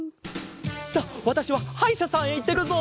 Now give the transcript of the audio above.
さあわたしははいしゃさんへいってくるぞ！